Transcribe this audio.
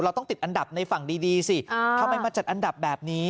ต้องติดอันดับในฝั่งดีสิทำไมมาจัดอันดับแบบนี้